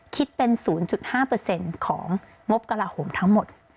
คิดเป็น๐๕ของงบกระลาโหมทั้งหมด